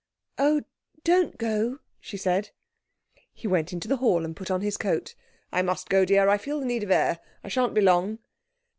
'Oh, don't go,' she said. He went into the hall and put on his coat. 'I must go, dear. I feel the need of air. I shan't be long.'